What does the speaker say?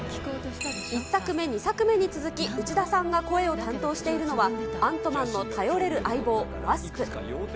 １作目、２作目に続き内田さんが声を担当しているのは、アントマンの頼れる相棒、ワスプ。